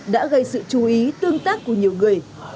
đã gây sự chú ý tương tác của nhiều người